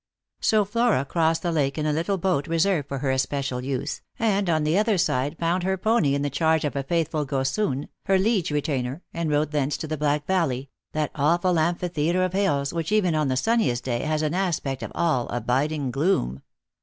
So Flora crossed the lake in a little boat reserved for her especial use, and on the other aide found her pony in the charge of a faithful gossoon, her liege retainer, and rode thence to the 314 jjost for Love. Black Valley, that awful amphitheatre of hills, which even on the sunniest day has an aspect of all abiding gloom.